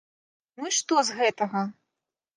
Ну і што з гэтага!